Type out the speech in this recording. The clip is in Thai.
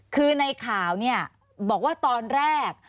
คือในข่าวบอกว่าตอนแรก